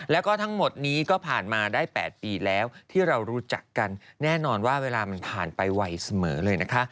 แล้วก็ทั้งหมดนี้ก็ผ่านมาได้๘ปีแล้วที่เรารู้จักกันแน่นอนว่าเวลามันผ่านไปไวเสมอเลยนะคะ